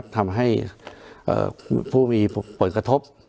ทำให้ผู้มีผลกระทบ